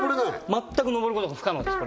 全く上ることが不可能です